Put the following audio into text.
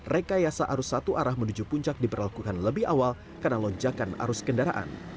rekayasa arus satu arah menuju puncak diperlakukan lebih awal karena lonjakan arus kendaraan